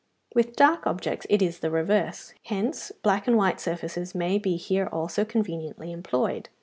With dark objects it is the reverse; hence black and white surfaces may be here also conveniently employed.